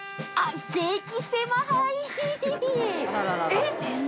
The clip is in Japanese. えっ？